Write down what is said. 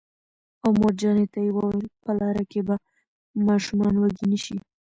او مورجانې ته یې وویل: په لاره کې به ماشومان وږي نه شي